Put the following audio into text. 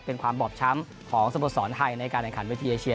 เป็นความบอบช้ำของสโมสรไทยในการแข่งขันเวทีเอเชีย